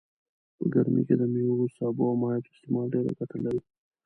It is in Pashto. په ګرمي کي دميوو سابو او مايعاتو استعمال ډيره ګټه لرئ